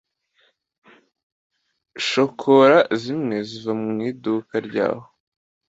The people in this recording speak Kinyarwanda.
shokora zimwe ziva mu iduka ryaho